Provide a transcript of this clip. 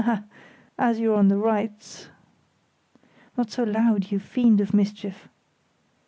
ha!—as you're on the right s——" "Not so loud, you fiend of mischief!"